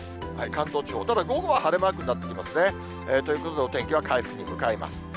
関東地方、ただ、午後は晴れマークになってきますね。ということで、お天気は回復に向かいます。